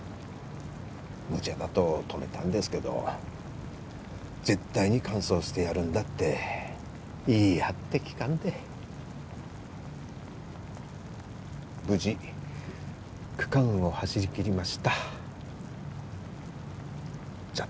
むちゃだと止めたんですけど絶対に完走してやるんだって言い張って聞かんで無事区間を走り切りましたじゃっ